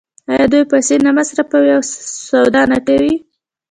آیا دوی پیسې نه مصرفوي او سودا نه کوي؟